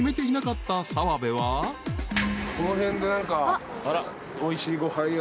この辺で何か。